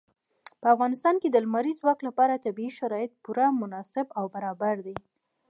په افغانستان کې د لمریز ځواک لپاره طبیعي شرایط پوره مناسب او برابر دي.